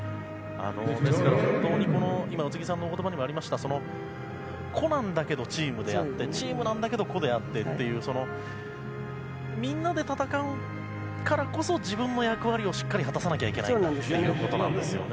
本当に宇津木さんのお言葉にもありましたが個なんだけどチームであってチームなんだけど個であってというみんなで戦うからこそ自分の役割をしっかり果たさなきゃいけないということなんですよね。